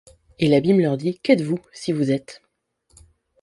Et l’abîme leur dit : qu’êtes-vous, si vous êtes ?